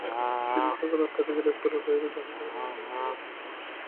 কিন্তু সকাল আটটা থেকে রেস্তোরাঁর বাইরে গ্রাহকেরা লাইন ধরে দাঁড়িয়ে থাকতেন।